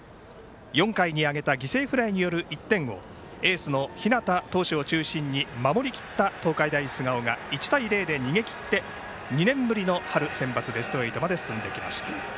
４回に挙げた犠牲フライによる１点をエースの日當投手を中心に守りきった東海大菅生が１対０で逃げきって２年ぶりの春センバツベスト８まで進んできました。